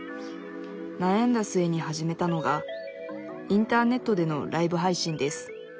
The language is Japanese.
なやんだ末に始めたのがインターネットでのライブ配信です